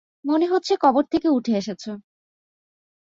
মনে হচ্ছে কবর থেকে উঠে এসেছো।